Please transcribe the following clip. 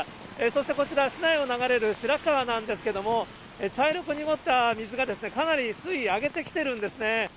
そしてこちら、市内を流れる白川なんですけども、茶色く濁った水がかなり水位上げてきているんですね。